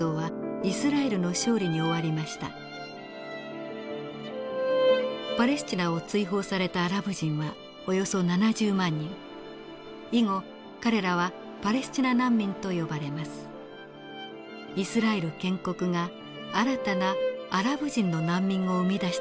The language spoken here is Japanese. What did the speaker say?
イスラエル建国が新たなアラブ人の難民を生み出したのです。